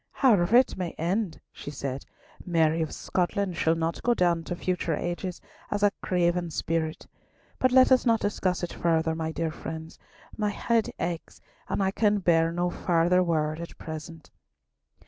"However it may end," she said, "Mary of Scotland shall not go down to future ages as a craven spirit. But let us not discuss it further, my dear friends, my head aches, and I can bear no farther word at present."